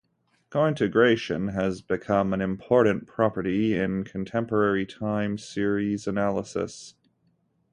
Cointegration has become an important property in contemporary time series analysis.